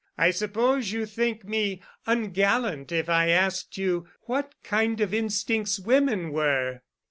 "I suppose you'd think me ungallant if I asked you what kind of instincts women were."